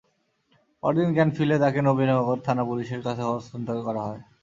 পরদিন জ্ঞান ফিরলে তাঁকে নবীনগর থানা পুলিশের কাছে হস্তান্তর করা হয়।